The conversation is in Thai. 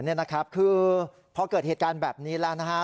นี่นะครับคือพอเกิดเหตุการณ์แบบนี้แล้วนะฮะ